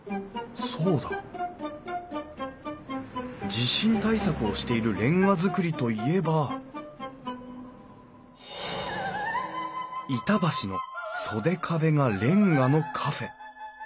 地震対策をしている煉瓦造りといえば板橋の袖壁がれんがのカフェ！